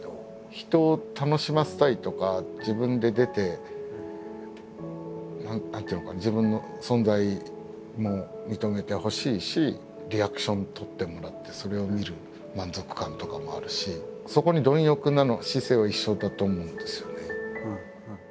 人を楽しませたいとか自分で出て何ていうのかな自分の存在も認めてほしいしリアクション取ってもらってそれを見る満足感とかもあるしそこに貪欲な姿勢は一緒だと思うんですよね。